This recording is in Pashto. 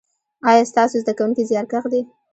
ایا ستاسو زده کونکي زیارکښ دي؟